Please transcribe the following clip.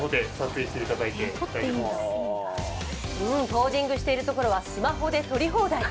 ポージングしてるところはスマホで撮り放題。